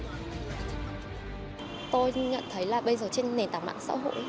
tôi nhận thấy là bây giờ trên nền tảng mạng xã hội